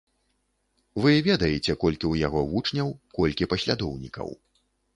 Вы ведаеце, колькі ў яго вучняў, колькі паслядоўнікаў.